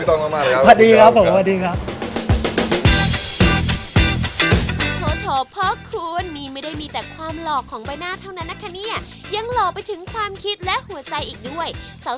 โอเคได้เยี่ยมเลยวันนี้ขอบคุณพี่ต้องมากเลยครับ